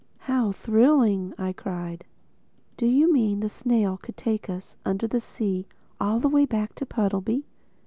"How thrilling!" I cried. "Do you mean the snail could take us under the sea all the way back to Puddleby?"